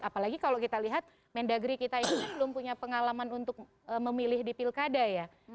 apalagi kalau kita lihat mendagri kita ini belum punya pengalaman untuk memilih di pilkada ya